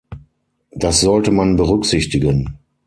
Das sollte man berücksichtigen.